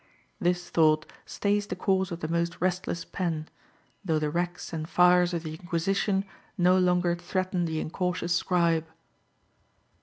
This thought stays the course of the most restless pen, though the racks and fires of the Inquisition no longer threaten the incautious scribe.